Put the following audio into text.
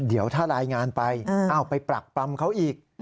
เดี๋ยวถ้ารายงานไปไปปรักปรำเขาอีก